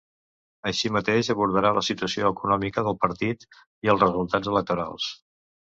Així mateix, abordarà la situació econòmica del partit i els resultats electorals.